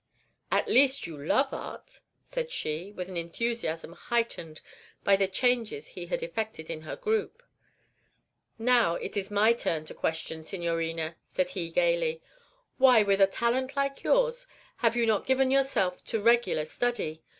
"At least you love art," said she, with an enthusiasm heightened by the changes he had effected in her group. "Now it is my turn to question, Signorina," said he, gayly. "Why, with a talent like yours, have you not given yourself to regular study?